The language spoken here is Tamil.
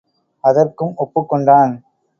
அதற்கும் ஒப்புக் கொண்டான்.